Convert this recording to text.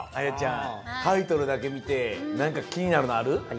彩ちゃんタイトルだけみてなんかきになるのある？